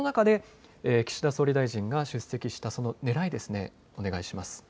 その中で岸田総理大臣が出席したそのねらいですねお願いします。